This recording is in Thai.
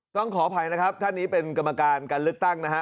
ขออภัยนะครับท่านนี้เป็นกรรมการการเลือกตั้งนะฮะ